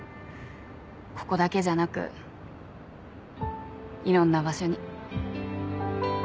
ここだけじゃなくいろんな場所に。